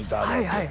はい